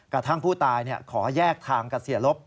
กระทั่งผู้ตายขอแยกทางกับเสียลบ